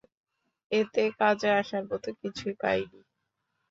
এতে কাজে আসার মতো কিছুই পাইনি।